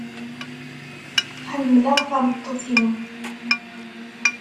Ḥemmleɣ tameṭṭut-inu.